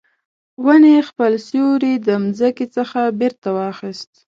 ونې خپل سیوری د مځکې څخه بیرته واخیست